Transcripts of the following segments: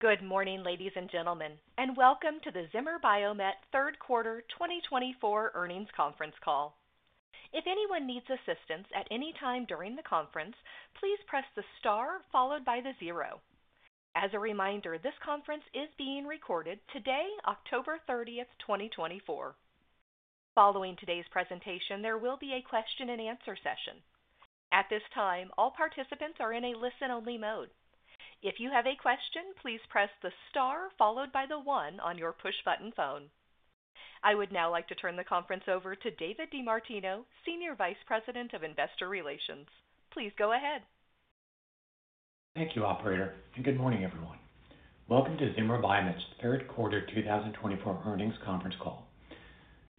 Good morning, ladies and gentlemen, and welcome to the Zimmer Biomet Q3 2024 earnings conference call. If anyone needs assistance at any time during the conference, please press the star followed by the zero. As a reminder, this conference is being recorded today, October 30th, 2024. Following today's presentation, there will be a question-and-answer session. At this time, all participants are in a listen-only mode. If you have a question, please press the star followed by the one on your push-button phone. I would now like to turn the conference over to David DeMartino, Senior Vice President of Investor Relations. Please go ahead. Thank you, Operator, and good morning, everyone. Welcome to Zimmer Biomet Third Quarter 2024 earnings conference call.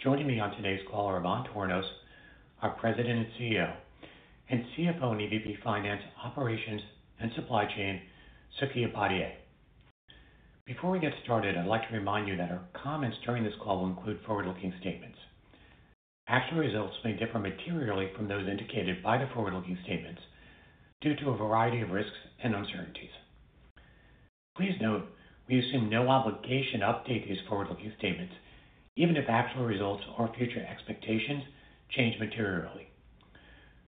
Joining me on today's call are Ivan Tornos, our President and CEO, and CFO and EVP Finance, Operations, and Supply Chain, Suky Upadhyay. Before we get started, I'd like to remind you that our comments during this call will include forward-looking statements. Actual results may differ materially from those indicated by the forward-looking statements due to a variety of risks and uncertainties. Please note, we assume no obligation to update these forward-looking statements, even if actual results or future expectations change materially.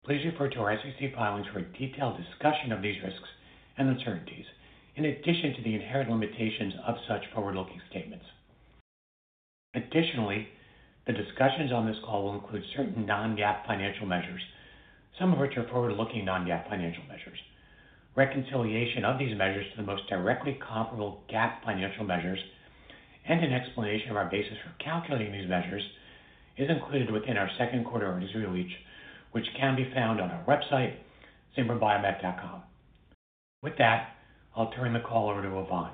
Please refer to our SEC filings for a detailed discussion of these risks and uncertainties, in addition to the inherent limitations of such forward-looking statements. Additionally, the discussions on this call will include certain non-GAAP financial measures, some of which are forward-looking non-GAAP financial measures. Reconciliation of these measures to the most directly comparable GAAP financial measures and an explanation of our basis for calculating these measures is included within our second quarter earnings release, which can be found on our website, Zimmer Biomet.com. With that, I'll turn the call over to Ivan.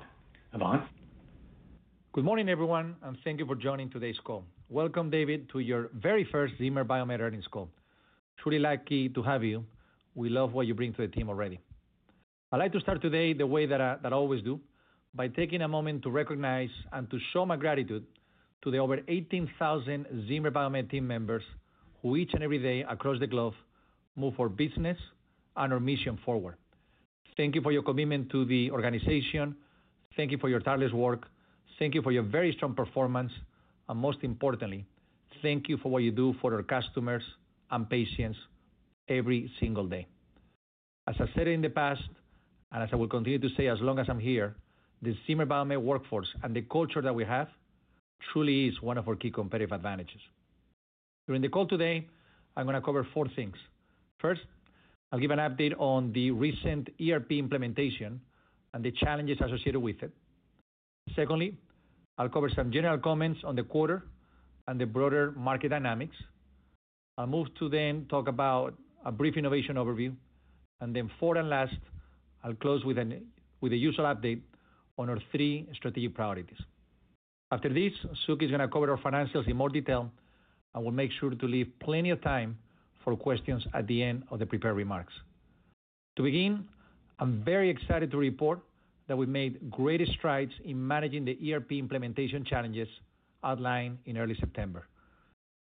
Ivan. Good morning, everyone, and thank you for joining today's call. Welcome, David, to your very first Zimmer Biomet earnings call. Truly lucky to have you. We love what you bring to the team already. I'd like to start today the way that I always do, by taking a moment to recognize and to show my gratitude to the over 18,000 Zimmer Biomet team members who each and every day across the globe move our business and our mission forward. Thank you for your commitment to the organization. Thank you for your tireless work. Thank you for your very strong performance. And most importantly, thank you for what you do for our customers and patients every single day. As I said in the past, and as I will continue to say as long as I'm here, the Zimmer Biomet workforce and the culture that we have truly is one of our key competitive advantages. During the call today, I'm going to cover four things. First, I'll give an update on the recent ERP implementation and the challenges associated with it. Secondly, I'll cover some general comments on the quarter and the broader market dynamics. I'll move to then talk about a brief innovation overview. And then fourth and last, I'll close with a useful update on our three strategic priorities. After this, Suky is going to cover our financials in more detail, and we'll make sure to leave plenty of time for questions at the end of the prepared remarks. To begin, I'm very excited to report that we've made great strides in managing the ERP implementation challenges outlined in early September.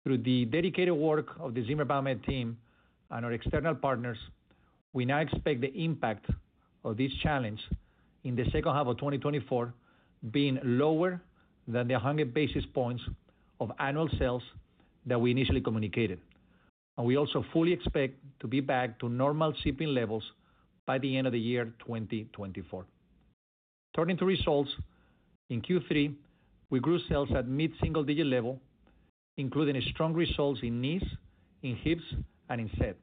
Through the dedicated work of the Zimmer Biomet team and our external partners, we now expect the impact of this challenge in the second half of 2024 being lower than the 100 basis points of annual sales that we initially communicated. And we also fully expect to be back to normal shipping levels by the end of the year 2024. Turning to results, in Q3, we grew sales at mid-single-digit level, including strong results in knees, in hips, and in SET.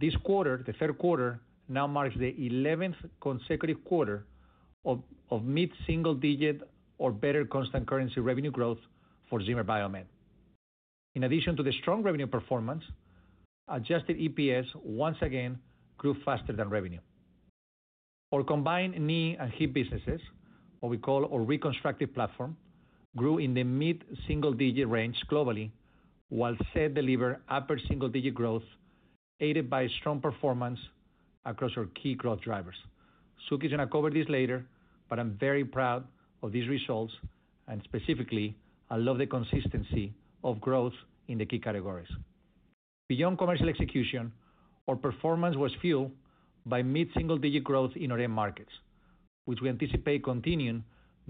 This quarter, the third quarter, now marks the 11th consecutive quarter of mid-single-digit or better constant currency revenue growth for Zimmer Biomet. In addition to the strong revenue performance, adjusted EPS once again grew faster than revenue. Our combined knee and hip businesses, what we call our reconstructive platform, grew in the mid-single-digit range globally, while SET delivered upper single-digit growth aided by strong performance across our key growth drivers. Suky is going to cover this later, but I'm very proud of these results, and specifically, I love the consistency of growth in the key categories. Beyond commercial execution, our performance was fueled by mid-single-digit growth in our end markets, which we anticipate continuing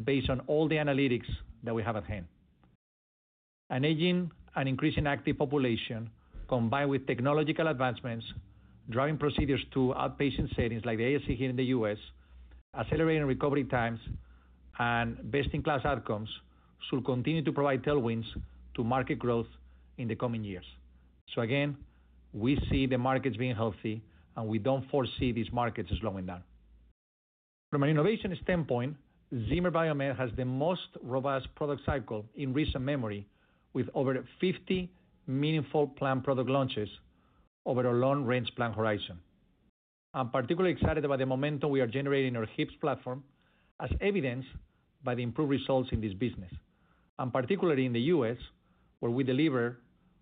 based on all the analytics that we have at hand. An aging and increasing active population, combined with technological advancements driving procedures to outpatient settings like the ASC here in the U.S., accelerating recovery times and best-in-class outcomes should continue to provide tailwinds to market growth in the coming years, so again, we see the markets being healthy, and we don't foresee these markets slowing down. From an innovation standpoint, Zimmer Biomet has the most robust product cycle in recent memory, with over 50 meaningful planned product launches over a long-range planned horizon. I'm particularly excited about the momentum we are generating in our hips platform, as evidenced by the improved results in this business, and particularly in the U.S., where we deliver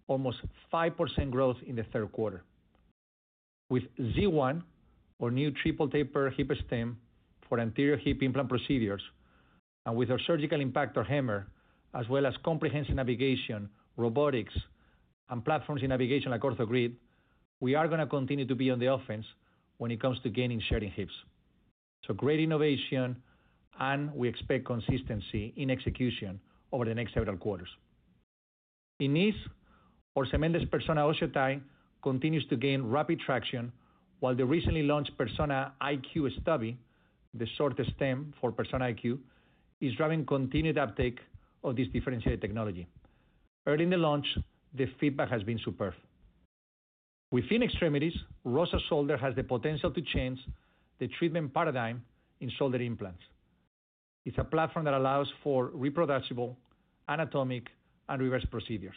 almost 5% growth in the third quarter. With Z1, our new triple taper hip stem for anterior hip implant procedures, and with our surgical impactor HAMMR, as well as comprehensive navigation, robotics, and platforms in navigation like OrthoGrid, we are going to continue to be on the offense when it comes to gaining share in hips. So great innovation, and we expect consistency in execution over the next several quarters. In knees, our cementless Persona OsseoTi continues to gain rapid traction, while the recently launched Persona IQ Stubby, the shortest stem for Persona IQ, is driving continued uptake of this differentiated technology. Early in the launch, the feedback has been superb. Within extremities, ROSA Shoulder has the potential to change the treatment paradigm in shoulder implants. It's a platform that allows for reproducible, anatomic, and reverse procedures.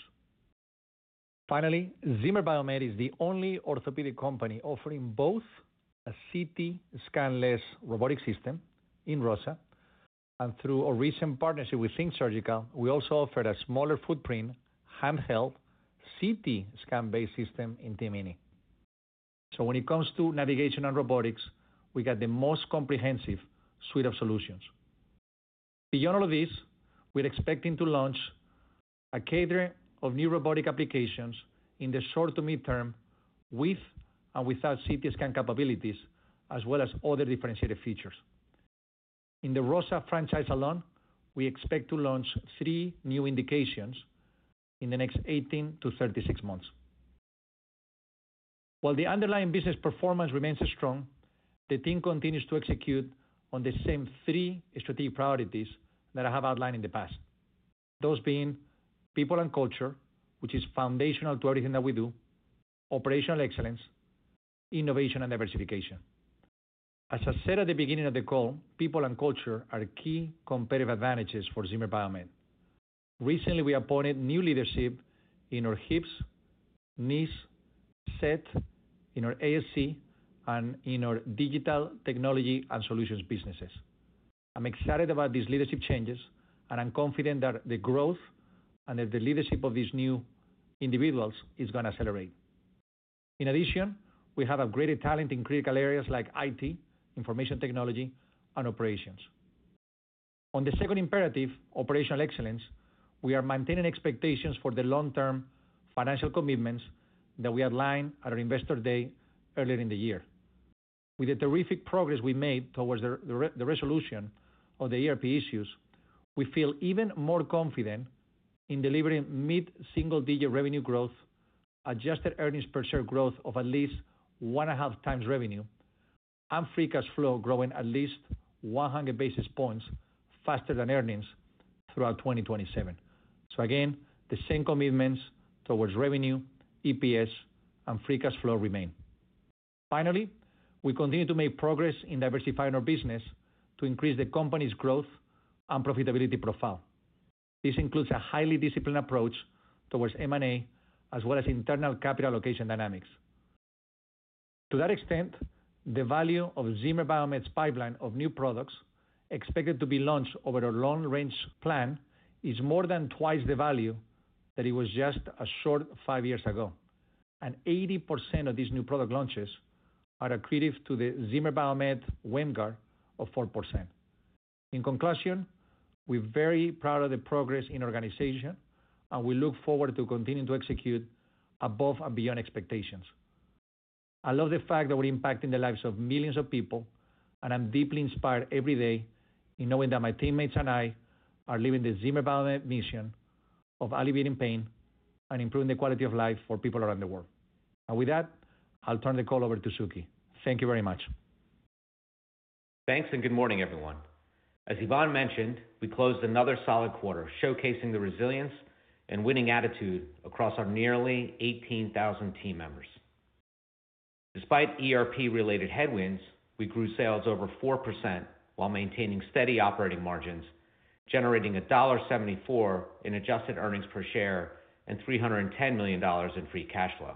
Finally, Zimmer Biomet is the only orthopedic company offering both a CT scanless robotic system in ROSA, and through a recent partnership with Think Surgical, we also offered a smaller footprint, handheld CT scan-based system in TMINI. So when it comes to navigation and robotics, we got the most comprehensive suite of solutions. Beyond all of this, we're expecting to launch a cadre of new robotic applications in the short to midterm with and without CT scan capabilities, as well as other differentiated features. In the ROSA franchise alone, we expect to launch three new indications in the next 18-36 months. While the underlying business performance remains strong, the team continues to execute on the same three strategic priorities that I have outlined in the past, those being people and culture, which is foundational to everything that we do, operational excellence, innovation, and diversification. As I said at the beginning of the call, people and culture are key competitive advantages for Zimmer Biomet. Recently, we appointed new leadership in our hips, knees, SET, in our ASC, and in our digital technology and solutions businesses. I'm excited about these leadership changes, and I'm confident that the growth and the leadership of these new individuals is going to accelerate. In addition, we have upgraded talent in critical areas like IT, information technology, and operations. On the second imperative, operational excellence, we are maintaining expectations for the long-term financial commitments that we outlined at our investor day earlier in the year. With the terrific progress we made towards the resolution of the ERP issues, we feel even more confident in delivering mid-single-digit revenue growth, adjusted earnings per share growth of at least one and a half times revenue, and free cash flow growing at least 100 basis points faster than earnings throughout 2027. So again, the same commitments towards revenue, EPS, and free cash flow remain. Finally, we continue to make progress in diversifying our business to increase the company's growth and profitability profile. This includes a highly disciplined approach towards M&A, as well as internal capital allocation dynamics. To that extent, the value of Zimmer Biomet's pipeline of new products expected to be launched over a long-range plan is more than twice the value that it was just a short five years ago. And 80% of these new product launches are attributed to the Zimmer Biomet WAMGR of 4%. In conclusion, we're very proud of the progress in our organization, and we look forward to continuing to execute above and beyond expectations. I love the fact that we're impacting the lives of millions of people, and I'm deeply inspired every day in knowing that my teammates and I are living the Zimmer Biomet mission of alleviating pain and improving the quality of life for people around the world. And with that, I'll turn the call over to Suky. Thank you very much. Thanks, and good morning, everyone. As Ivan mentioned, we closed another solid quarter showcasing the resilience and winning attitude across our nearly 18,000 team members. Despite ERP-related headwinds, we grew sales over 4% while maintaining steady operating margins, generating $1.74 in adjusted earnings per share and $310 million in free cash flow.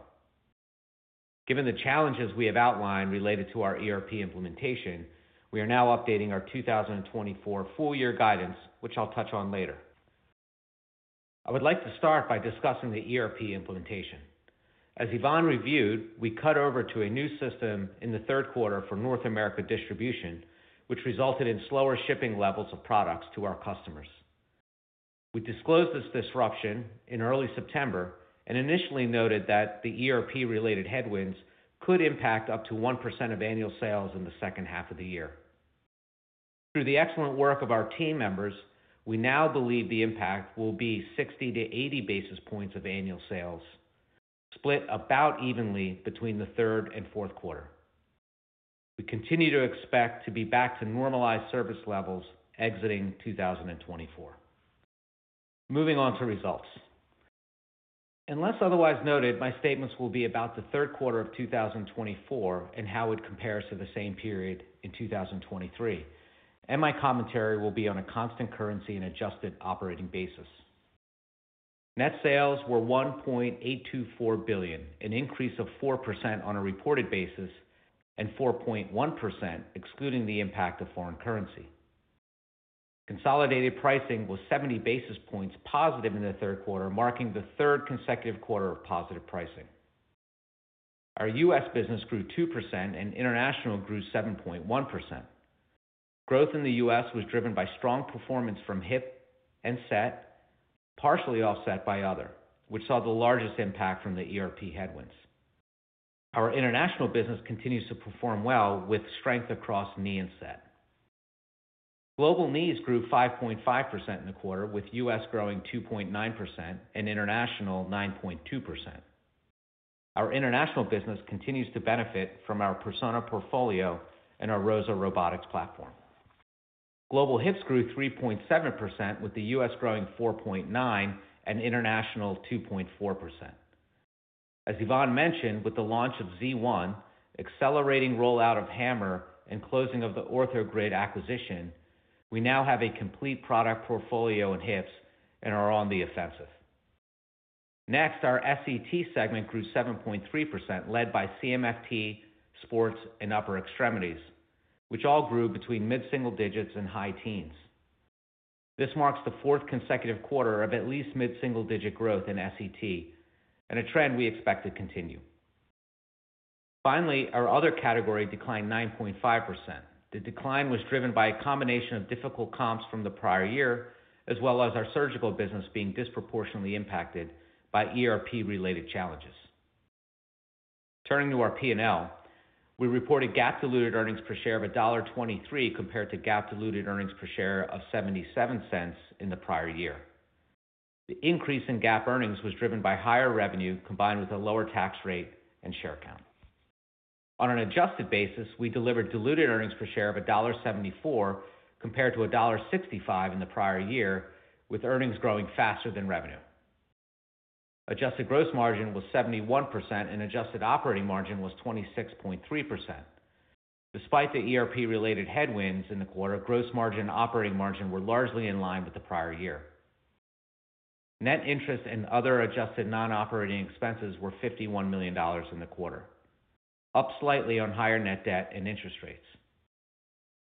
Given the challenges we have outlined related to our ERP implementation, we are now updating our 2024 full-year guidance, which I'll touch on later. I would like to start by discussing the ERP implementation. As Ivan reviewed, we cut over to a new system in the third quarter for North America distribution, which resulted in slower shipping levels of products to our customers. We disclosed this disruption in early September and initially noted that the ERP-related headwinds could impact up to 1% of annual sales in the second half of the year. Through the excellent work of our team members, we now believe the impact will be 60-80 basis points of annual sales, split about evenly between the third and fourth quarter. We continue to expect to be back to normalized service levels exiting 2024. Moving on to results. Unless otherwise noted, my statements will be about the third quarter of 2024 and how it compares to the same period in 2023, and my commentary will be on a constant currency and adjusted operating basis. Net sales were $1.824 billion, an increase of 4% on a reported basis and 4.1% excluding the impact of foreign currency. Consolidated pricing was 70 basis points positive in the third quarter, marking the third consecutive quarter of positive pricing. Our U.S. business grew 2%, and international grew 7.1%. Growth in the U.S. was driven by strong performance from hip and SET, partially offset by other, which saw the largest impact from the ERP headwinds. Our international business continues to perform well with strength across knee and SET. Global knees grew 5.5% in the quarter, with U.S. growing 2.9% and international 9.2%. Our international business continues to benefit from our Persona portfolio and our ROSA Robotics platform. Global hips grew 3.7%, with the U.S. growing 4.9% and international 2.4%. As Ivan mentioned, with the launch of Z1, accelerating rollout of HAMMR, and closing of the OrthoGrid acquisition, we now have a complete product portfolio in hips and are on the offensive. Next, our SET segment grew 7.3%, led by CMFT, sports, and upper extremities, which all grew between mid-single digits and high teens. This marks the fourth consecutive quarter of at least mid-single digit growth in SET, and a trend we expect to continue. Finally, our other category declined 9.5%. The decline was driven by a combination of difficult comps from the prior year, as well as our surgical business being disproportionately impacted by ERP-related challenges. Turning to our P&L, we reported GAAP-diluted earnings per share of $1.23 compared to GAAP-diluted earnings per share of $0.77 in the prior year. The increase in GAAP earnings was driven by higher revenue combined with a lower tax rate and share count. On an adjusted basis, we delivered diluted earnings per share of $1.74 compared to $1.65 in the prior year, with earnings growing faster than revenue. Adjusted gross margin was 71%, and adjusted operating margin was 26.3%. Despite the ERP-related headwinds in the quarter, gross margin and operating margin were largely in line with the prior year. Net interest and other adjusted non-operating expenses were $51 million in the quarter, up slightly on higher net debt and interest rates.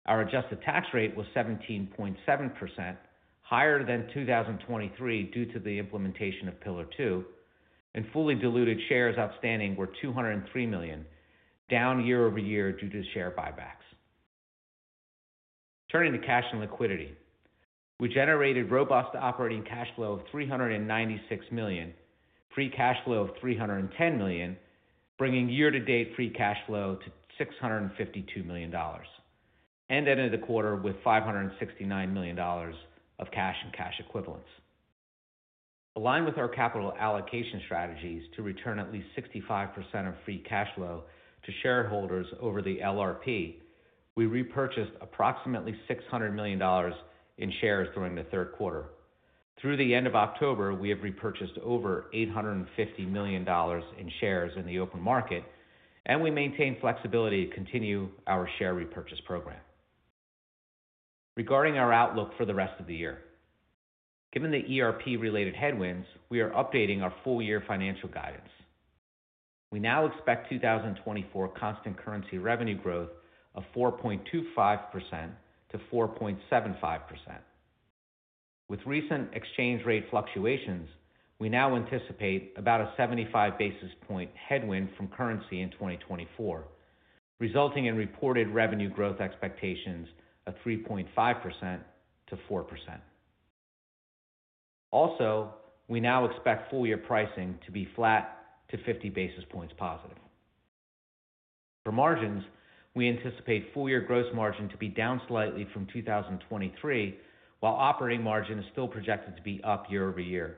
Our adjusted tax rate was 17.7%, higher than 2023 due to the implementation of Pillar 2, and fully diluted shares outstanding were 203 million, down year over year due to share buybacks. Turning to cash and liquidity, we generated robust operating cash flow of $396 million, free cash flow of $310 million, bringing year-to-date free cash flow to $652 million, and ended the quarter with $569 million of cash and cash equivalents. Aligned with our capital allocation strategies to return at least 65% of free cash flow to shareholders over the LRP, we repurchased approximately $600 million in shares during the third quarter. Through the end of October, we have repurchased over $850 million in shares in the open market, and we maintain flexibility to continue our share repurchase program. Regarding our outlook for the rest of the year, given the ERP-related headwinds, we are updating our full-year financial guidance. We now expect 2024 constant currency revenue growth of 4.25%-4.75%. With recent exchange rate fluctuations, we now anticipate about a 75 basis point headwind from currency in 2024, resulting in reported revenue growth expectations of 3.5%-4%. Also, we now expect full-year pricing to be flat to 50 basis points positive. For margins, we anticipate full-year gross margin to be down slightly from 2023, while operating margin is still projected to be up year over year,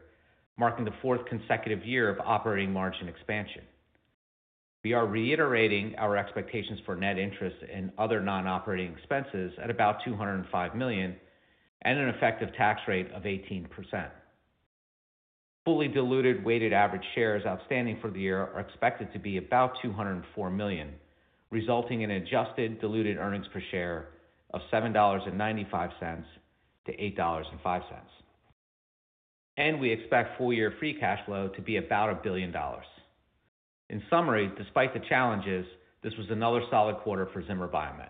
marking the fourth consecutive year of operating margin expansion. We are reiterating our expectations for net interest and other non-operating expenses at about $205 million and an effective tax rate of 18%. Fully diluted weighted average shares outstanding for the year are expected to be about 204 million, resulting in adjusted diluted earnings per share of $7.95-$8.05, and we expect full-year free cash flow to be about $1 billion. In summary, despite the challenges, this was another solid quarter for Zimmer Biomet.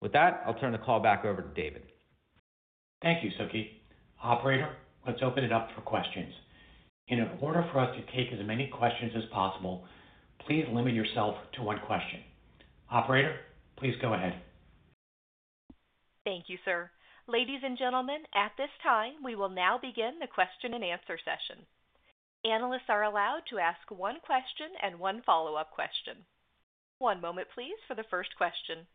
With that, I'll turn the call back over to David. Thank you, Suky. Operator, let's open it up for questions. In order for us to take as many questions as possible, please limit yourself to one question. Operator, please go ahead. Thank you, sir. Ladies and gentlemen, at this time, we will now begin the question and answer session. Analysts are allowed to ask one question and one follow-up question. One moment, please, for the first question.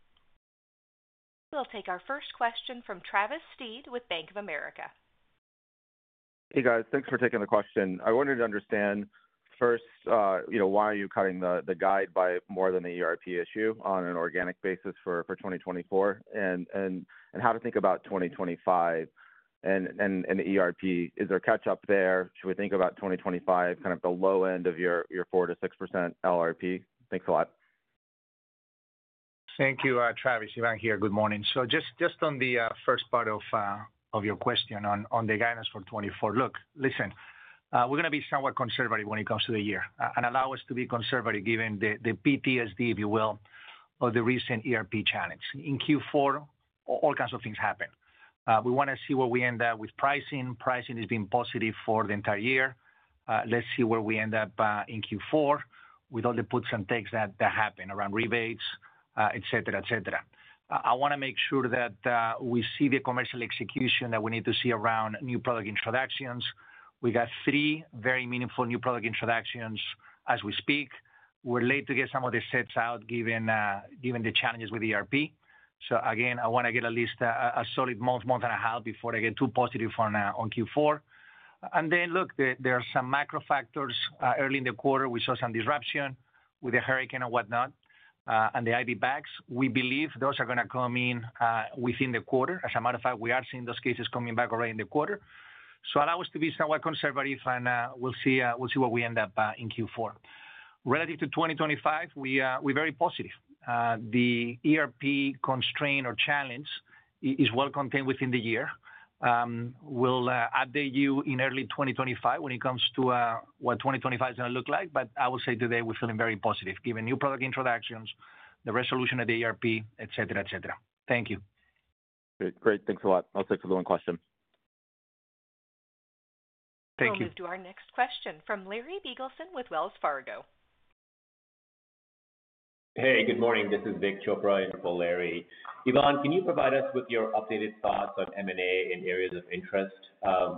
We'll take our first question from Travis Steed with Bank of America. Hey, guys. Thanks for taking the question. I wanted to understand first, you know, why are you cutting the guide by more than the ERP issue on an organic basis for 2024, and how to think about 2025 and the ERP? Is there catch-up there? Should we think about 2025, kind of the low end of your 4%-6% LRP? Thanks a lot. Thank you, Travis. Ivan here. Good morning. So just on the first part of your question on the guidance for 2024, look, listen, we're going to be somewhat conservative when it comes to the year. And allow us to be conservative given the PTSD, if you will, of the recent ERP challenge. In Q4, all kinds of things happen. We want to see where we end up with pricing. Pricing has been positive for the entire year. Let's see where we end up in Q4 with all the puts and takes that happen around rebates, et cetera, et cetera. I want to make sure that we see the commercial execution that we need to see around new product introductions. We got three very meaningful new product introductions as we speak. We're late to get some of the sets out given the challenges with ERP. So again, I want to get at least a solid month, month and a half before they get too positive on Q4. And then, look, there are some macro factors. Early in the quarter, we saw some disruption with the hurricane and whatnot and the IV bags. We believe those are going to come in within the quarter. As a matter of fact, we are seeing those cases coming back already in the quarter. So allow us to be somewhat conservative, and we'll see where we end up in Q4. Relative to 2025, we're very positive. The ERP constraint or challenge is well contained within the year. We'll update you in early 2025 when it comes to what 2025 is going to look like. But I will say today we're feeling very positive given new product introductions, the resolution of the ERP, et cetera, et cetera. Thank you. Great. Thanks a lot. I'll take the one question. Thank you. We'll move to our next question from Larry Biegelsen with Wells Fargo. Hey, good morning. This is Vik Chopra and for Larry. Ivan, can you provide us with your updated thoughts on M&A in areas of interest?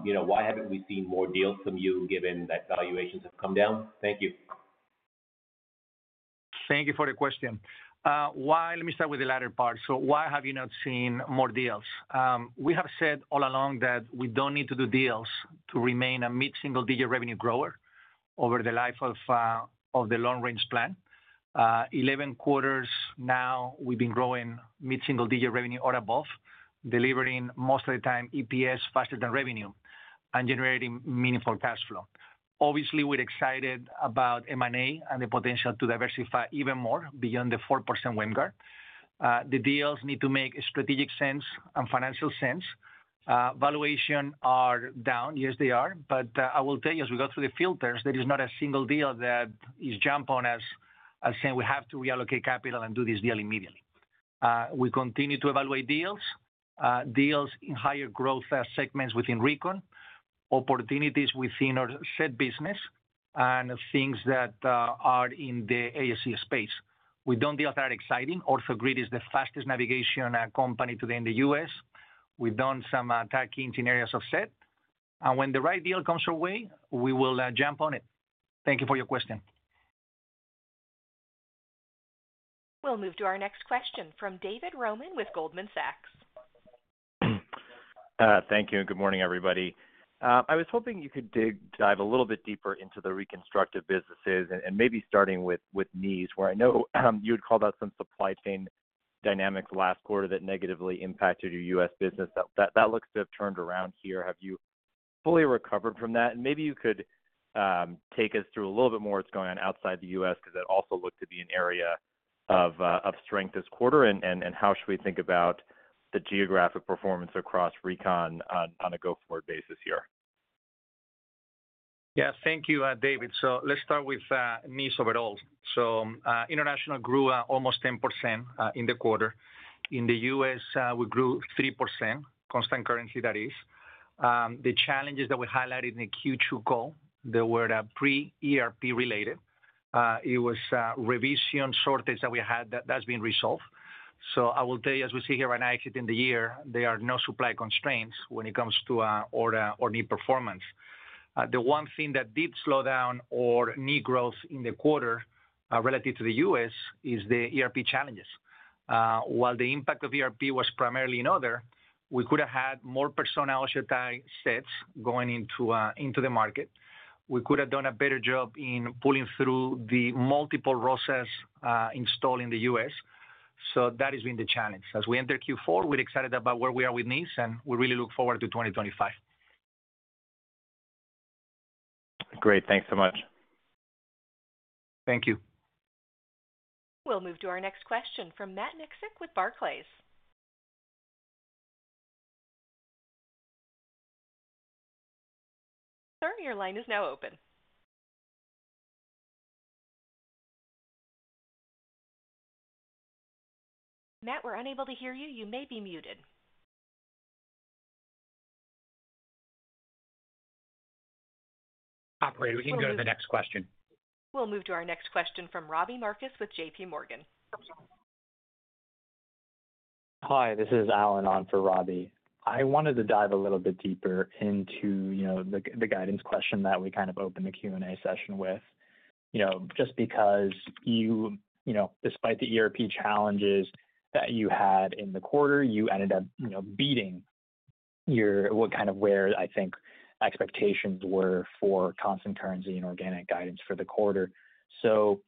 You know, why haven't we seen more deals from you given that valuations have come down? Thank you. Thank you for the question. Let me start with the latter part. So why have you not seen more deals? We have said all along that we don't need to do deals to remain a mid-single-digit revenue grower over the life of the long-range plan. 11 quarters now, we've been growing mid-single-digit revenue or above, delivering most of the time EPS faster than revenue and generating meaningful cash flow. Obviously, we're excited about M&A and the potential to diversify even more beyond the 4% WAMGR. The deals need to make strategic sense and financial sense. Valuations are down. Yes, they are. But I will tell you, as we go through the filters, there is not a single deal that is jumping out at us saying we have to reallocate capital and do this deal immediately. We continue to evaluate deals, deals in higher growth segments within Recon, opportunities within our SET business, and things that are in the ASC space. We've done deals that are exciting. OrthoGrid is the fastest navigation company today in the U.S. We've done some tuck-ins in areas of SET. And when the right deal comes our way, we will jump on it. Thank you for your question. We'll move to our next question from David Roman with Goldman Sachs. Thank you. And good morning, everybody. I was hoping you could dive a little bit deeper into the reconstructive businesses and maybe starting with knees, where I know you had called out some supply chain dynamics last quarter that negatively impacted your U.S. business. That looks to have turned around here. Have you fully recovered from that? And maybe you could take us through a little bit more of what's going on outside the U.S. because that also looked to be an area of strength this quarter. And how should we think about the geographic performance across Recon on a go-forward basis here? Yes. Thank you, David. So let's start with knees overall. So international grew almost 10% in the quarter. In the U.S., we grew 3%, constant currency, that is. The challenges that we highlighted in the Q2 call, they were pre-ERP related. It was revision shortage that we had that's been resolved. So I will tell you, as we see here right now, exiting the year, there are no supply constraints when it comes to order or knee performance. The one thing that did slow down our knee growth in the quarter relative to the U.S. is the ERP challenges. While the impact of ERP was primarily in order, we could have had more Persona OsseoTi sets going into the market. We could have done a better job in pulling through the multiple ROSAs installed in the U.S. So that has been the challenge. As we enter Q4, we're excited about where we are with knees, and we really look forward to 2025. Great. Thanks so much. Thank you. We'll move to our next question from Matt Miksic with Barclays. Sir, your line is now open. Matt, we're unable to hear you. You may be muted. Operator, we can go to the next question. We'll move to our next question from Robbie Marcus with J.P. Morgan. Hi. This is Alan on for Robbie. I wanted to dive a little bit deeper into the guidance question that we kind of opened the Q&A session with. Just because you, despite the ERP challenges that you had in the quarter, you ended up beating what kind of where I think expectations were for constant currency and organic guidance for the quarter. So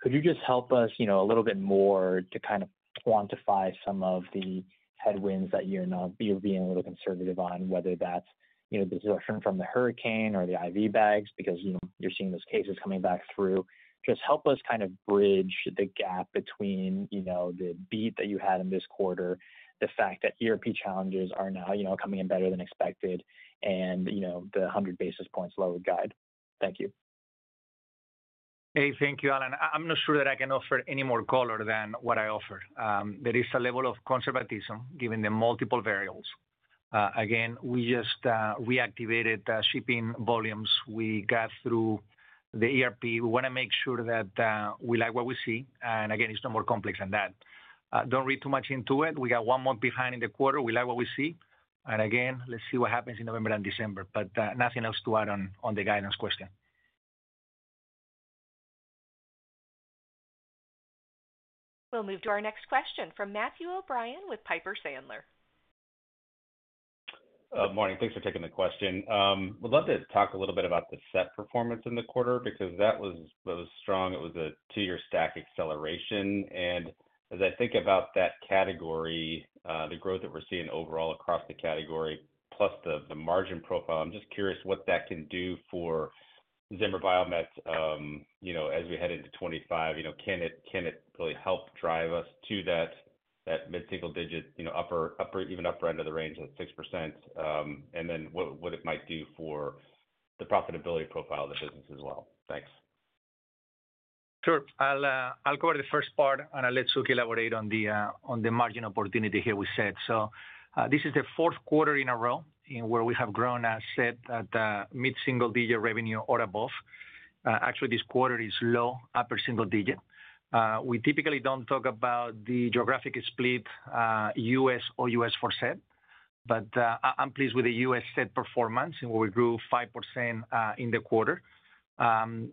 could you just help us a little bit more to kind of quantify some of the headwinds that you're being a little conservative on, whether that's the disruption from the hurricane or the IV bags because you're seeing those cases coming back through? Just help us kind of bridge the gap between the beat that you had in this quarter, the fact that ERP challenges are now coming in better than expected, and the 100 basis points lower guide. Thank you. Hey, thank you, Alan. I'm not sure that I can offer any more color than what I offered. There is a level of conservatism given the multiple variables. Again, we just reactivated shipping volumes. We got through the ERP. We want to make sure that we like what we see. And again, it's no more complex than that. Don't read too much into it. We got one month behind in the quarter. We like what we see. And again, let's see what happens in November and December. But nothing else to add on the guidance question. We'll move to our next question from Matthew O'Brien with Piper Sandler. Morning. Thanks for taking the question. Would love to talk a little bit about the SET performance in the quarter because that was strong. It was a two-year stack acceleration. And as I think about that category, the growth that we're seeing overall across the category, plus the margin profile, I'm just curious what that can do for Zimmer Biomet as we head into 2025. Can it really help drive us to that mid-single digit, even upper end of the range of 6%? And then what it might do for the profitability profile of the business as well. Thanks. Sure. I'll cover the first part, and I'll let Suky elaborate on the margin opportunity as we said. So this is the fourth quarter in a row where we have grown SET at mid-single-digit revenue or above. Actually, this quarter is low- to upper-single-digit. We typically don't talk about the geographic split U.S. or ex-U.S. for SET, but I'm pleased with the U.S. SET performance in that we grew 5% in the quarter.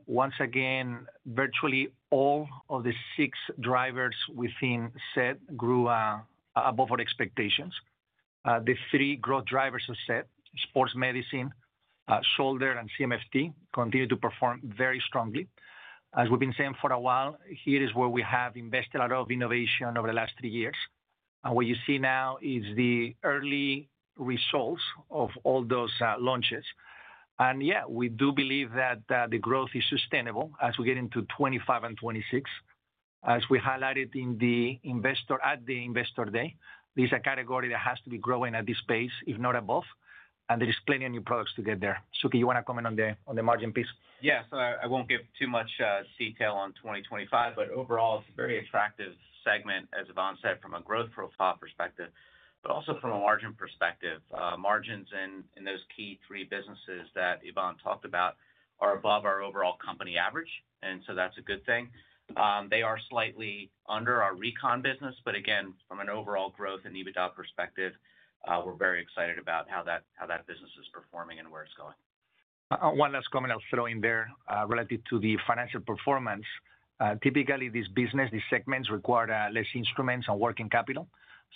Once again, virtually all of the six drivers within SET grew above our expectations. The three growth drivers of SET, sports medicine, shoulder, and CMFT, continue to perform very strongly. As we've been saying for a while, here is where we have invested a lot of innovation over the last three years. And what you see now is the early results of all those launches. And yeah, we do believe that the growth is sustainable as we get into 2025 and 2026. As we highlighted at the Investor Day, this is a category that has to be growing at this pace, if not above. And there is plenty of new products to get there. Suky, you want to comment on the margin piece? Yeah, so I won't give too much detail on 2025, but overall, it's a very attractive segment, as Ivan said, from a growth profile perspective, but also from a margin perspective. Margins in those key three businesses that Ivan talked about are above our overall company average, and so that's a good thing. They are slightly under our recon business, but again, from an overall growth and EBITDA perspective, we're very excited about how that business is performing and where it's going. One last comment I'll throw in there related to the financial performance. Typically, this business, these segments require less instruments and working capital.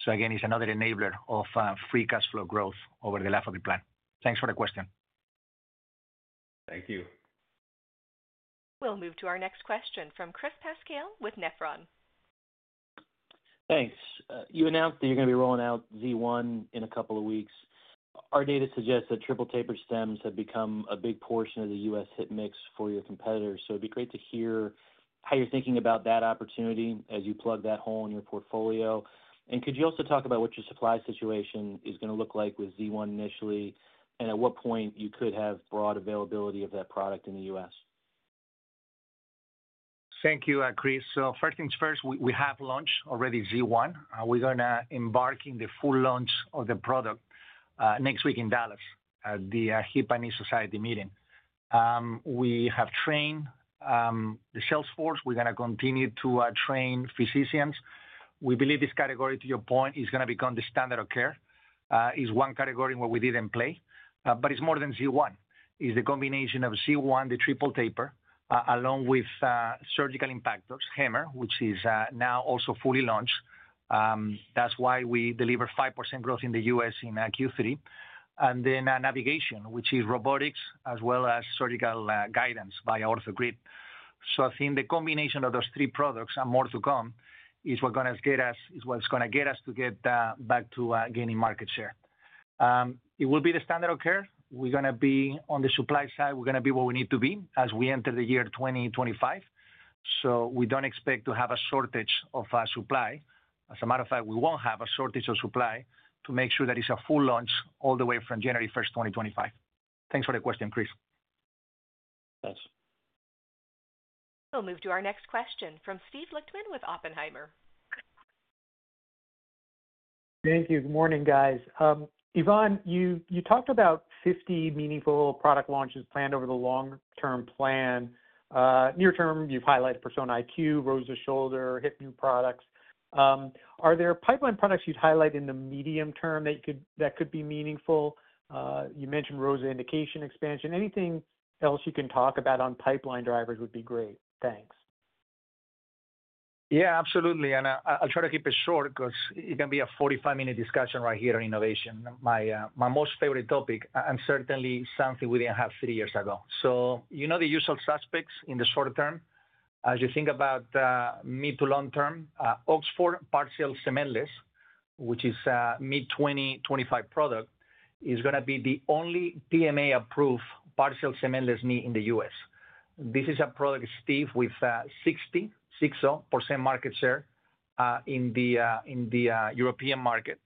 So again, it's another enabler of free cash flow growth over the life of the plan. Thanks for the question. Thank you. We'll move to our next question from Chris Pasquale with Nephron Research. Thanks. You announced that you're going to be rolling out Z1 in a couple of weeks. Our data suggests that triple tapered stems have become a big portion of the US hip mix for your competitors. So it'd be great to hear how you're thinking about that opportunity as you plug that hole in your portfolio. And could you also talk about what your supply situation is going to look like with Z1 initially, and at what point you could have broad availability of that product in the US? Thank you, Chris. So first things first, we have launched already Z1. We're going to embark on the full launch of the product next week in Dallas at the Hip and Knee Society meeting. We have trained the sales force. We're going to continue to train physicians. We believe this category, to your point, is going to become the standard of care. It's one category where we didn't play, but it's more than Z1. It's the combination of Z1, the triple taper, along with surgical impactors, HAMMR, which is now also fully launched. That's why we deliver 5% growth in the U.S. in Q3. And then navigation, which is robotics as well as surgical guidance by OrthoGrid. So I think the combination of those three products and more to come is what's going to get us to get back to gaining market share. It will be the standard of care. We're going to be on the supply side. We're going to be where we need to be as we enter the year 2025. So we don't expect to have a shortage of supply. As a matter of fact, we won't have a shortage of supply to make sure that it's a full launch all the way from January 1st, 2025. Thanks for the question, Chris. Thanks. We'll move to our next question from Steve Lichtman with Oppenheimer. Thank you. Good morning, guys. Ivan, you talked about 50 meaningful product launches planned over the long-term plan. Near term, you've highlighted Persona IQ, ROSA, shoulder, hip knee products. Are there pipeline products you'd highlight in the medium term that could be meaningful? You mentioned ROSA indication expansion. Anything else you can talk about on pipeline drivers would be great. Thanks. Yeah, absolutely. And I'll try to keep it short because it can be a 45-minute discussion right here on innovation. My most favorite topic and certainly something we didn't have three years ago. So you know the usual suspects in the short term. As you think about mid to long term, Oxford Partial Cementless, which is a mid-2025 product, is going to be the only PMA-approved partial cementless knee in the U.S. This is a product with 60% market share in the European market.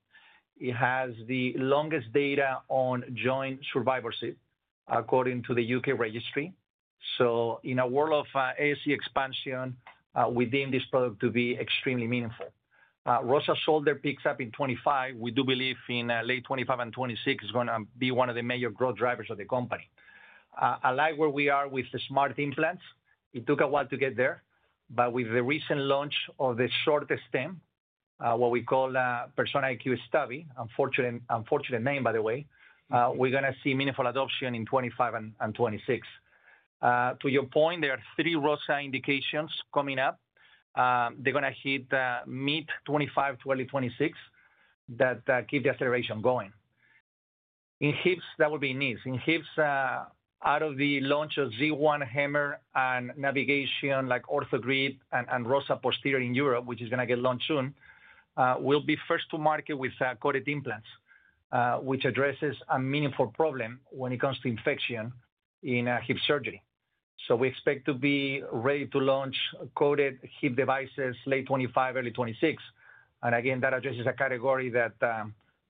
It has the longest data on joint survivorship according to the U.K. registry. So in a world of ASC expansion, we deem this product to be extremely meaningful. ROSA Shoulder picks up in 2025. We do believe in late 2025 and 2026 is going to be one of the major growth drivers of the company. I like where we are with the smart implants. It took a while to get there. But with the recent launch of the shortest stem, what we call Persona IQ Stubby, unfortunate name, by the way, we're going to see meaningful adoption in 2025 and 2026. To your point, there are three ROSA indications coming up. They're going to hit mid-2025, early 2026 that keep the acceleration going. In hips, that would be knees. In hips, out of the launch of Z1, HAMMR, and navigation like OrthoGrid and ROSA Posterior in Europe, which is going to get launched soon, we'll be first to market with coated implants, which addresses a meaningful problem when it comes to infection in hip surgery. So we expect to be ready to launch coated hip devices late 2025, early 2026. And again, that addresses a category that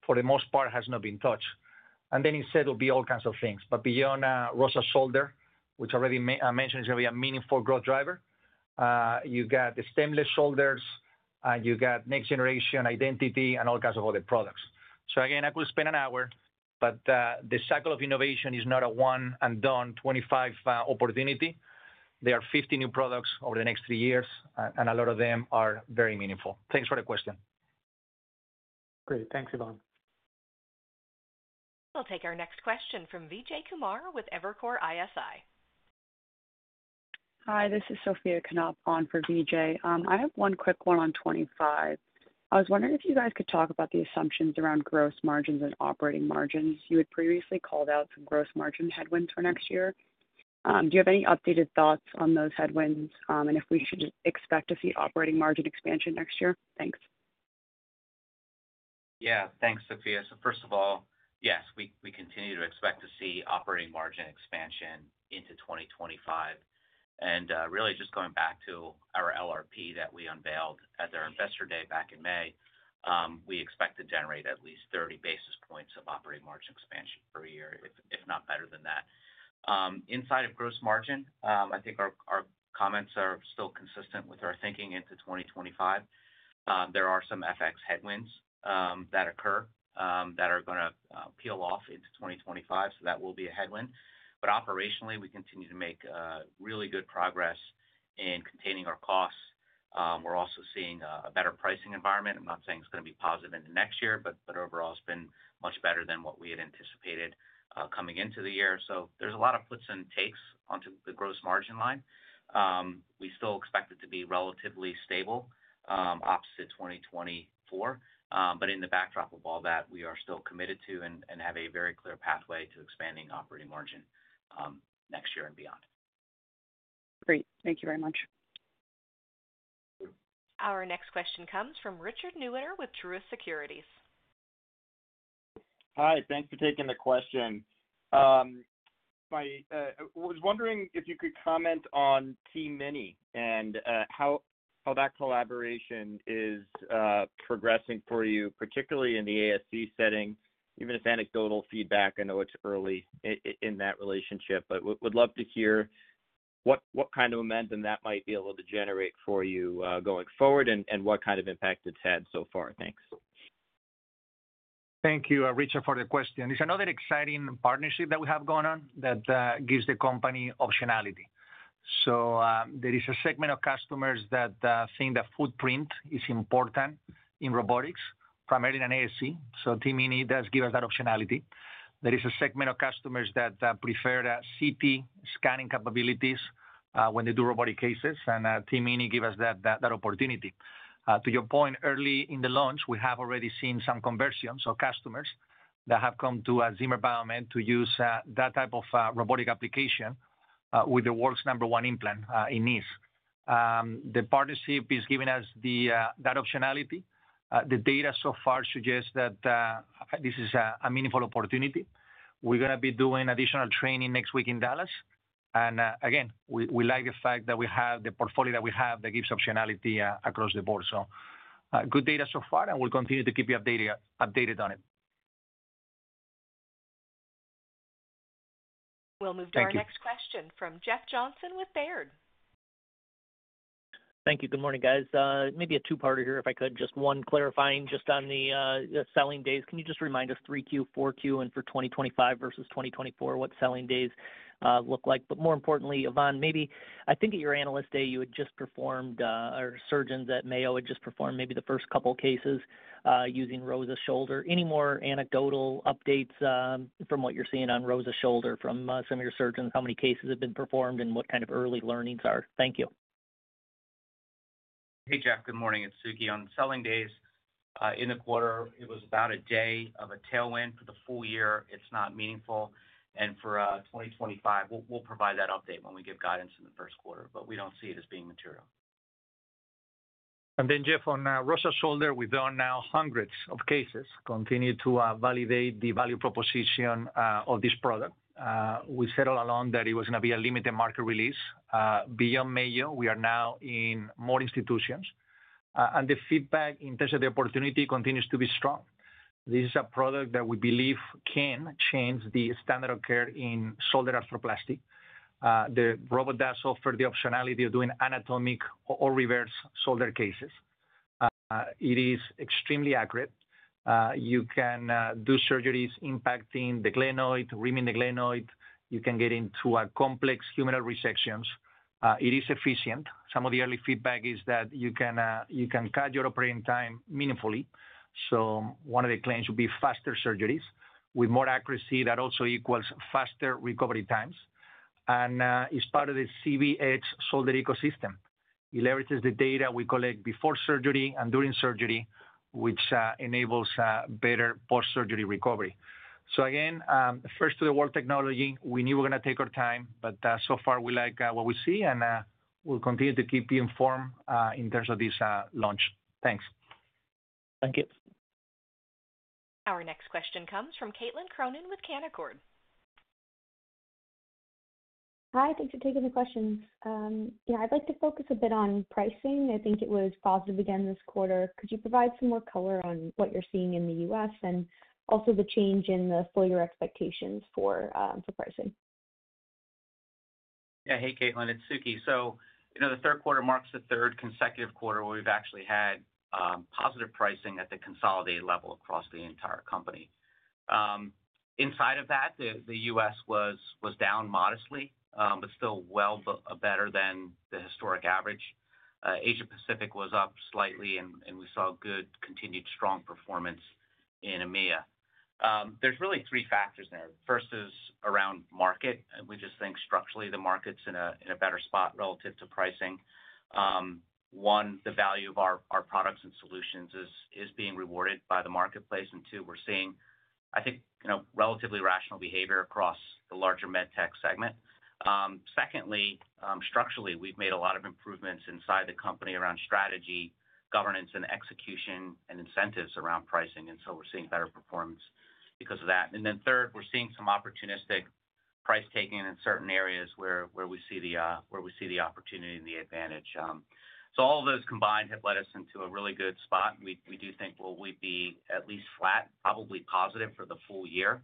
for the most part has not been touched. And then instead, it will be all kinds of things. But beyond ROSA Shoulder, which I already mentioned is going to be a meaningful growth driver, you got the stemless shoulders, and you got next generation Identity and all kinds of other products. So again, I could spend an hour, but the cycle of innovation is not a one-and-done 2025 opportunity. There are 50 new products over the next three years, and a lot of them are very meaningful. Thanks for the question. Great. Thanks, Ivan. We'll take our next question from Vijay Kumar with Evercore ISI. Hi, this is Sophia Knopp on for Vijay. I have one quick one on 2025. I was wondering if you guys could talk about the assumptions around gross margins and operating margins. You had previously called out some gross margin headwinds for next year. Do you have any updated thoughts on those headwinds and if we should expect to see operating margin expansion next year? Thanks. Yeah. Thanks, Sophia. So first of all, yes, we continue to expect to see operating margin expansion into 2025. And really, just going back to our LRP that we unveiled at their Investor Day back in May, we expect to generate at least 30 basis points of operating margin expansion per year, if not better than that. Inside of gross margin, I think our comments are still consistent with our thinking into 2025. There are some FX headwinds that occur that are going to peel off into 2025. So that will be a headwind. But operationally, we continue to make really good progress in containing our costs. We're also seeing a better pricing environment. I'm not saying it's going to be positive into next year, but overall, it's been much better than what we had anticipated coming into the year. So there's a lot of puts and takes onto the gross margin line. We still expect it to be relatively stable opposite 2024. But in the backdrop of all that, we are still committed to and have a very clear pathway to expanding operating margin next year and beyond. Great. Thank you very much. Our next question comes from Richard Newitter with Truist Securities. Hi. Thanks for taking the question. I was wondering if you could comment on TMINI and how that collaboration is progressing for you, particularly in the ASC setting, even if anecdotal feedback. I know it's early in that relationship, but would love to hear what kind of momentum that might be able to generate for you going forward and what kind of impact it's had so far. Thanks. Thank you, Richard, for the question. It's another exciting partnership that we have going on that gives the company optionality. So there is a segment of customers that think the footprint is important in robotics, primarily in ASC. So TMINI does give us that optionality. There is a segment of customers that prefer CT scanning capabilities when they do robotic cases, and TMINI gives us that opportunity. To your point, early in the launch, we have already seen some conversions of customers that have come to Zimmer Biomet to use that type of robotic application with the WORX number one implant in knees. The partnership is giving us that optionality. The data so far suggests that this is a meaningful opportunity. We're going to be doing additional training next week in Dallas. Again, we like the fact that we have the portfolio that we have that gives optionality across the board. So good data so far, and we'll continue to keep you updated on it. We'll move to our next question from Jeff Johnson with Baird. Thank you. Good morning, guys. Maybe a two-parter here if I could. Just one clarifying just on the selling days. Can you just remind us 3Q, 4Q, and for 2025 versus 2024, what selling days look like? But more importantly, Ivan, maybe I think at your analyst day, you had just performed or surgeons at Mayo had just performed maybe the first couple of cases using ROSA Shoulder. Any more anecdotal updates from what you're seeing on ROSA Shoulder from some of your surgeons? How many cases have been performed and what kind of early learnings are? Thank you. Hey, Jeff. Good morning. It's Suky on selling days. In the quarter, it was about a day of a tailwind for the full year. It's not meaningful, and for 2025, we'll provide that update when we give guidance in the first quarter, but we don't see it as being material. And then, Jeff, on ROSA Shoulder, we've done now hundreds of cases, continued to validate the value proposition of this product. We settled along that it was going to be a limited market release. Beyond Mayo, we are now in more institutions. And the feedback in terms of the opportunity continues to be strong. This is a product that we believe can change the standard of care in shoulder arthroplasty. The robot does offer the optionality of doing anatomic or reverse shoulder cases. It is extremely accurate. You can do surgeries impacting the glenoid, reaming the glenoid. You can get into complex humeral resections. It is efficient. Some of the early feedback is that you can cut your operating time meaningfully. So one of the claims would be faster surgeries with more accuracy that also equals faster recovery times. And it's part of the ZBH shoulder ecosystem. It leverages the data we collect before surgery and during surgery, which enables better post-surgery recovery. So again, first to the world technology, we knew we're going to take our time, but so far, we like what we see, and we'll continue to keep you informed in terms of this launch. Thanks. Thank you. Our next question comes from Caitlin Cronin with Canaccord Genuity. Hi. Thanks for taking the questions. Yeah, I'd like to focus a bit on pricing. I think it was positive again this quarter. Could you provide some more color on what you're seeing in the U.S. and also the change in the full year expectations for pricing? Yeah. Hey, Caitlin. It's Suky. So the third quarter marks the third consecutive quarter where we've actually had positive pricing at the consolidated level across the entire company. Inside of that, the U.S. was down modestly, but still well better than the historic average. Asia-Pacific was up slightly, and we saw good continued strong performance in EMEA. There's really three factors there. First is around market. We just think structurally the market's in a better spot relative to pricing. One, the value of our products and solutions is being rewarded by the marketplace. And two, we're seeing, I think, relatively rational behavior across the larger med tech segment. Secondly, structurally, we've made a lot of improvements inside the company around strategy, governance, and execution and incentives around pricing. And so we're seeing better performance because of that. And then third, we're seeing some opportunistic price taking in certain areas where we see the opportunity and the advantage. So all of those combined have led us into a really good spot. We do think we'll be at least flat, probably positive for the full year.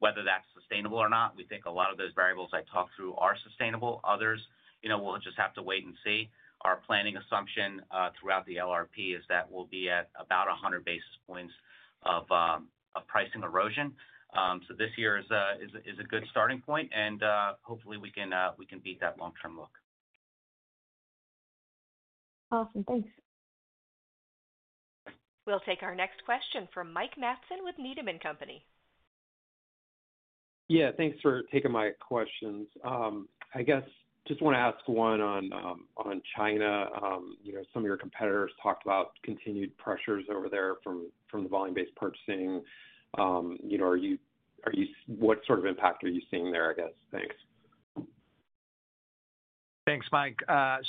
Whether that's sustainable or not, we think a lot of those variables I talked through are sustainable. Others, we'll just have to wait and see. Our planning assumption throughout the LRP is that we'll be at about 100 basis points of pricing erosion. So this year is a good starting point, and hopefully, we can beat that long-term look. Awesome. Thanks. We'll take our next question from Mike Matson with Needham & Company. Yeah. Thanks for taking my questions. I guess just want to ask one on China. Some of your competitors talked about continued pressures over there from the volume-based procurement. What sort of impact are you seeing there, I guess? Thanks. Thanks, Mike.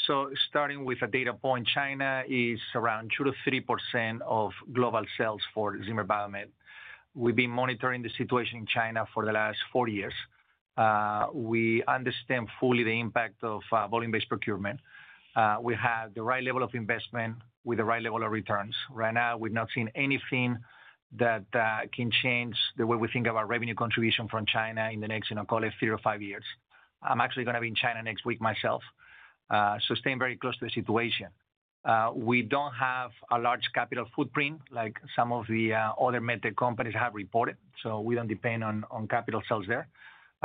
So starting with a data point, China is around 2%-3% of global sales for Zimmer Biomet. We've been monitoring the situation in China for the last four years. We understand fully the impact of volume-based procurement. We have the right level of investment with the right level of returns. Right now, we've not seen anything that can change the way we think about revenue contribution from China in the next, I'll call it, three or five years. I'm actually going to be in China next week myself. So staying very close to the situation. We don't have a large capital footprint like some of the other med tech companies have reported. So we don't depend on capital sales there.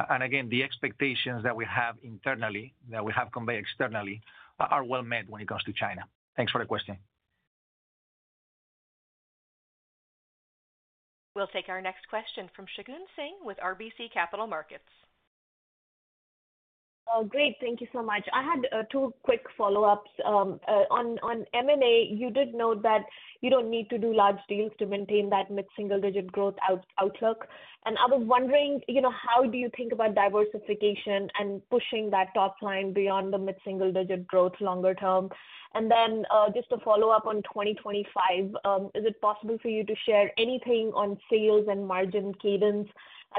And again, the expectations that we have internally that we have conveyed externally are well met when it comes to China. Thanks for the question. We'll take our next question from Shagun Singh with RBC Capital Markets. Oh, great. Thank you so much. I had two quick follow-ups. On M&A, you did note that you don't need to do large deals to maintain that mid-single-digit growth outlook. And I was wondering, how do you think about diversification and pushing that top line beyond the mid-single-digit growth longer term? And then just to follow up on 2025, is it possible for you to share anything on sales and margin cadence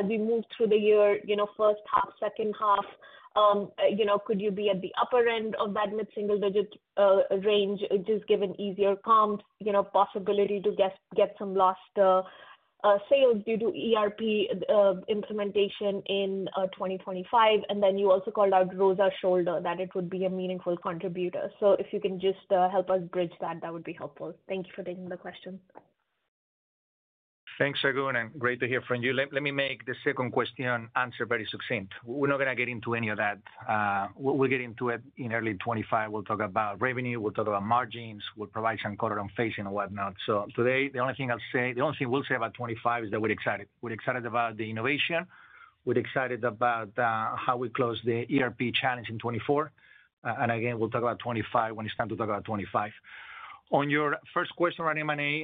as we move through the year? First half, second half, could you be at the upper end of that mid-single-digit range just given easier comps, possibility to get some lost sales due to ERP implementation in 2025? And then you also called out ROSA Shoulder that it would be a meaningful contributor. So if you can just help us bridge that, that would be helpful. Thank you for taking the question. Thanks, Shagun, and great to hear from you. Let me make the second question answer very succinct. We're not going to get into any of that. We'll get into it in early 2025. We'll talk about revenue. We'll talk about margins. We'll provide some color on facing and whatnot, so today, the only thing I'll say, the only thing we'll say about 2025 is that we're excited. We're excited about the innovation. We're excited about how we close the ERP challenge in 2024, and again, we'll talk about 2025 when it's time to talk about 2025. On your first question around M&A,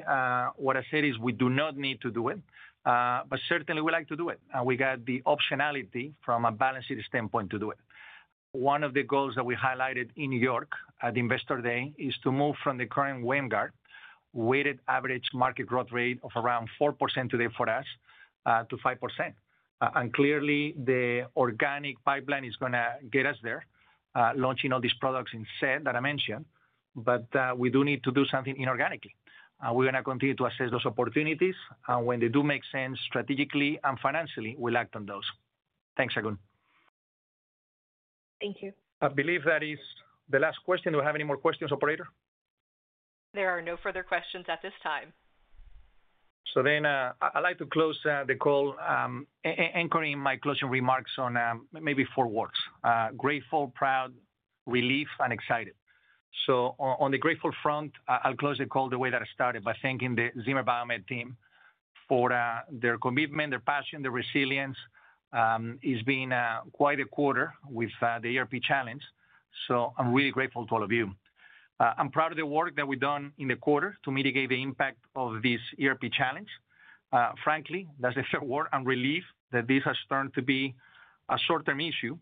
what I said is we do not need to do it, but certainly, we like to do it. And we got the optionality from a balance sheet standpoint to do it. One of the goals that we highlighted in New York at Investor Day is to move from the current our weighted average market growth rate of around 4% today for us to 5%. And clearly, the organic pipeline is going to get us there, launching all these products in SET that I mentioned, but we do need to do something inorganically. We're going to continue to assess those opportunities. And when they do make sense strategically and financially, we'll act on those. Thanks, Shagun. Thank you. I believe that is the last question. Do we have any more questions, operator? There are no further questions at this time. So then I'd like to close the call anchoring my closing remarks on maybe four words: grateful, proud, relieved, and excited. So on the grateful front, I'll close the call the way that I started by thanking the Zimmer Biomet team for their commitment, their passion, their resilience. It's been quite a quarter with the ERP challenge. So I'm really grateful to all of you. I'm proud of the work that we've done in the quarter to mitigate the impact of this ERP challenge. Frankly, that's the third word. I'm relieved that this has turned to be a short-term issue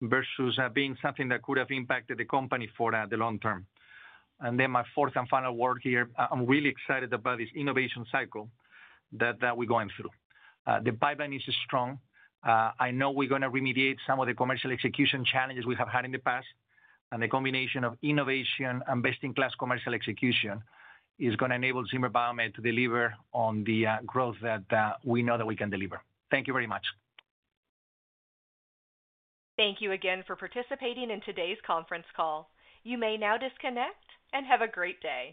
versus being something that could have impacted the company for the long term. And then my fourth and final word here, I'm really excited about this innovation cycle that we're going through. The pipeline is strong. I know we're going to remediate some of the commercial execution challenges we have had in the past, and the combination of innovation and best-in-class commercial execution is going to enable Zimmer Biomet to deliver on the growth that we know that we can deliver. Thank you very much. Thank you again for participating in today's conference call. You may now disconnect and have a great day.